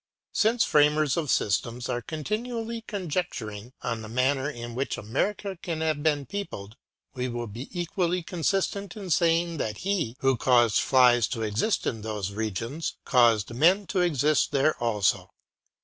Since framers of systems are continually conjecturing on the manner in which America can have been peopled, we will be equally consistent in saying that He who caused flies to exist in those regions caused men to exist there also.